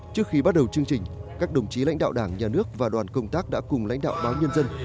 trước khi bắt đầu chương trình các đồng chí lãnh đạo đảng nhà nước và đoàn công tác đã cùng lãnh đạo báo nhân dân